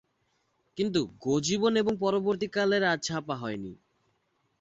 কিন্তু গো-জীবন এর পরবর্তীকালে আর ছাপা হয়নি।